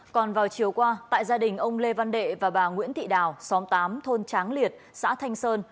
còn vào chiều qua tại gia đình ông lê văn đệ và bà nguyễn thị đào xóm tám thôn tráng liệt xã thanh sơn